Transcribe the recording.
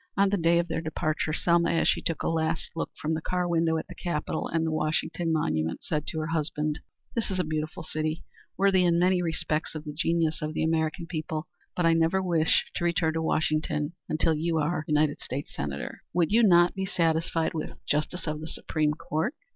On the day of their departure Selma, as she took a last look from the car window at the Capitol and the Washington Monument, said to her husband: "This is a beautiful city worthy in many respects of the genius of the American people but I never wish to return to Washington until you are United States Senator." "Would you not be satisfied with Justice of the Supreme Court?"